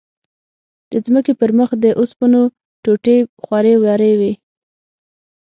د ځمکې پر مخ د اوسپنو ټوټې خورې ورې وې.